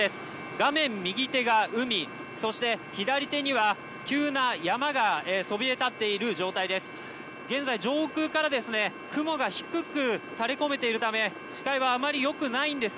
画面右手が海そして、左手には急な山がそびえ立っている状態です。